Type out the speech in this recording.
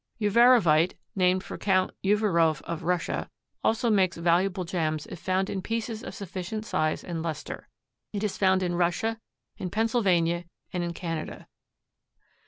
Uvarovite, named for Count Uvarov of Russia, also makes valuable gems if found in pieces of sufficient size and luster. It is found in Russia, in Pennsylvania and in Canada.